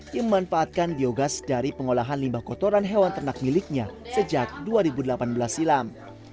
yang memanfaatkan biogas dari pengolahan limbah kotoran hewan ternak miliknya sejak dua ribu delapan belas silam